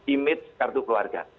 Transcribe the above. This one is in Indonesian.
image kartu keluarga